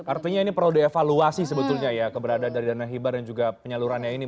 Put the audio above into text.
artinya ini perlu dievaluasi sebetulnya ya keberadaan dari dana hibah dan juga penyalurannya ini